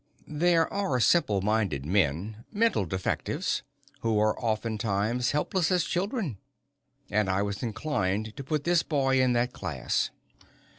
There are simple minded men mental defectives who are oftentimes helpless as children, and I was inclined to put this boy in that class.